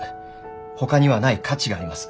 ほかにはない価値があります。